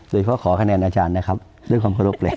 โดยเขาขอคะแนนอาจารย์นะครับด้วยความเคารพเลย